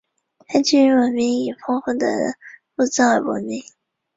该地区的文明以丰富的墓葬而闻名。